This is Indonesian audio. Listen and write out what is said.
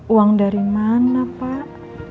uang dari mana pak